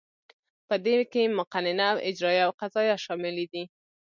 په دې کې مقننه او اجراییه او قضاییه شاملې دي.